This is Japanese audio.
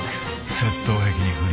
窃盗癖に不倫。